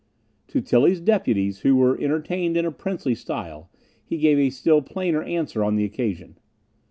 To Tilly's deputies, who were entertained in a princely style, he gave a still plainer answer on the occasion.